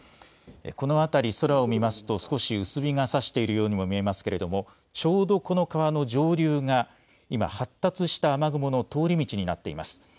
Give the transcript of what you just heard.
この辺り、空を見ますと少し薄日が差しているようにも見えますけれどもちょうどこの川の上流が今、発達した雨雲の通り道になっています。